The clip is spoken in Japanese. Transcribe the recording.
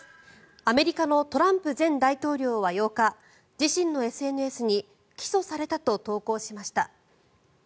アメリカのトランプ前大統領は８日自身のＳＮＳに起訴されたと投稿しました。